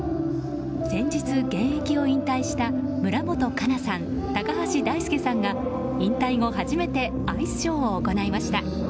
先日、現役を引退した村元哉中さん、高橋大輔さんが引退後初めてアイスショーを行いました。